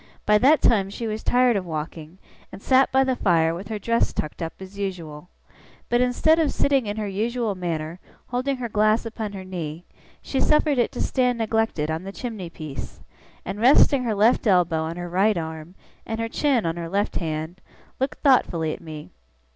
By that time she was tired of walking, and sat by the fire with her dress tucked up as usual. But instead of sitting in her usual manner, holding her glass upon her knee, she suffered it to stand neglected on the chimney piece; and, resting her left elbow on her right arm, and her chin on her left hand, looked thoughtfully at me.